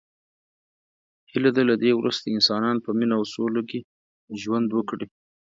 هیله ده له دی وروسته انسانان په مینه او سوله کې ژوند وکړي.